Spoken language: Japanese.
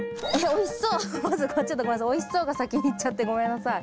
「おいしそう」が先にいっちゃってごめんなさい。